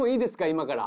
今から。